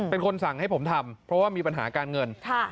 เป็นคนสั่งให้ผมทำเพราะว่ามีปัญหาการเงิน